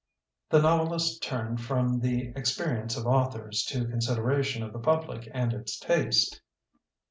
The novelist turned from the ex periences of authors to consideration of the public and its taste.